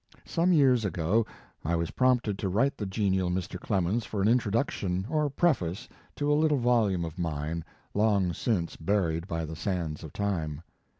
Some years ago I was prompted to write the genial Mr. Clemens for an introduction or preface to a little volume of mine, long since buried by the sands of time.